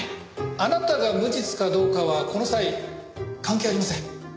あなたが無実かどうかはこの際関係ありません。